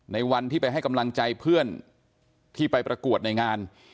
ในวันที่ไปให้กำลังใจเพื่อนที่ไปประกวดในงาน